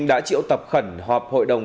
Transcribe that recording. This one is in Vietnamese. đã triệu tập khẩn họp hội đồng